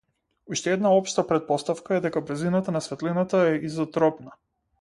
Уште една општа претпоставка е дека брзината на светлината е изотропна.